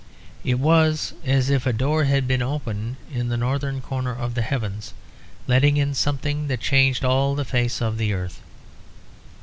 It was as if a door had been opened in the northern corner of the heavens; letting in something that changed all the face of the earth.